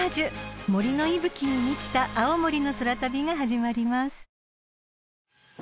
［森の息吹に満ちた青森の空旅が始まります］